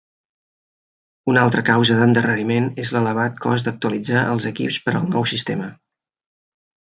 Una altra causa d'endarreriment és l'elevat cost d'actualitzar els equips per al nou sistema.